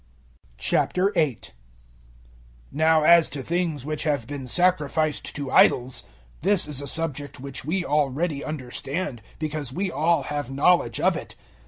008:001 Now as to things which have been sacrificed to idols. This is a subject which we already understand because we all have knowledge of it.